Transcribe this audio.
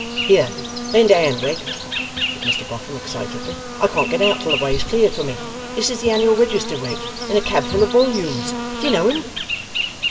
'Here! lend a hand, Wegg,' said Mr Boffin excitedly, 'I can't get out till the way is cleared for me. This is the Annual Register, Wegg, in a cab full of wollumes. Do you know him?